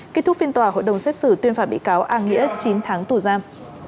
kết thúc phiên tòa hội đồng xét xử tuyên phạt bị cáo a nghĩa chín tháng tù giam